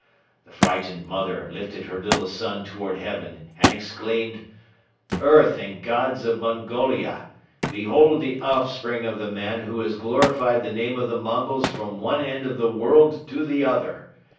The frightened mother lifted her little son toward heaven and exclaimed: "'Earth and Gods of Mongolia, behold the offspring of the man who has glorified the name of the Mongols from one end of the world to the other!